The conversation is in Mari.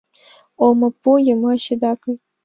Олмапу йымач ида кай -